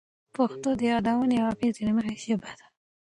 پښتو د یادونې او اغیزې له مخې ژبه ده.